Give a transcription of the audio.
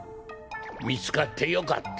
みつかってよかった。